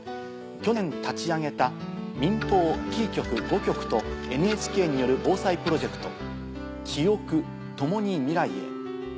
去年立ち上げた民放キー局５局とＮＨＫによる防災プロジェクト「キオク、ともに未来へ。」。